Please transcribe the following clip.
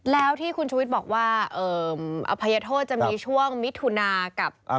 แล้วที่คุณชุวิตบอกว่าอภัยโทษจะมีช่วงมิถุนากับ